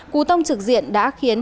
cú tông trực diện đã khiến